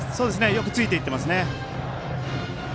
よくついていっていますね。